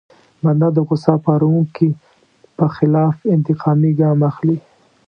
بنده د غوسه پاروونکي په خلاف انتقامي ګام اخلي.